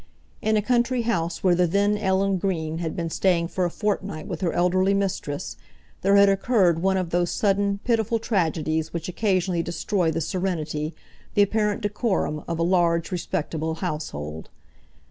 In a country house where the then Ellen Green had been staying for a fortnight with her elderly mistress, there had occurred one of those sudden, pitiful tragedies which occasionally destroy the serenity, the apparent decorum, of a large, respectable household.